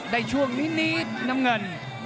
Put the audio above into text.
ช่วงนิดน้ำเงิน